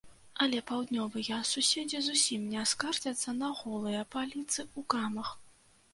Але паўднёвыя суседзі зусім не скардзяцца на голыя паліцы ў крамах.